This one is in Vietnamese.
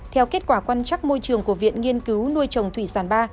theo kết quả quan trắc môi trường của viện nghiên cứu nuôi trồng thủy sản ba